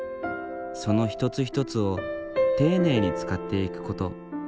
その一つ一つを丁寧に使っていくこと。